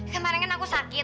kemarin kan aku sakit